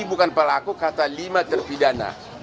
bukan pelaku kata lima terpidana